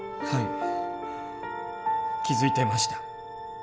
はい。